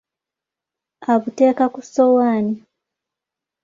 Abuteeka ku ssowaani.